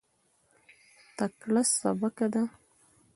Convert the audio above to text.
تکړه سبکه ده.